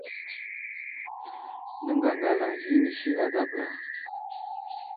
Nəŋgagalaŋ ghi inisi ada bəra .